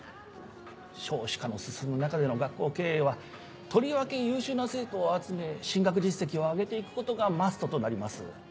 少子化の進む中での学校経営はとりわけ優秀な生徒を集め進学実績を上げて行くことがマストとなります。